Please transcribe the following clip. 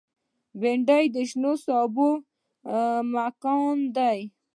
بېنډۍ د شنو سابو ملکانه ده